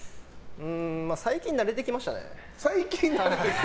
最近、慣れてきましたね。